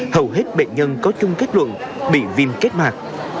hầu hết bệnh nhân có chung kết luận bị viêm kết mạc